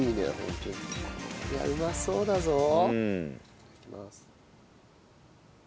いただきます。